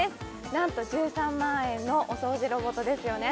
なんと１３万円のお掃除ロボットですよね